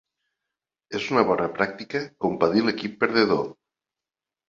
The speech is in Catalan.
És una bona pràctica compadir l'equip perdedor.